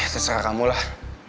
seserah kamu lah